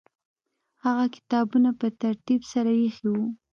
هغه کتابونه په ترتیب سره ایښي وو.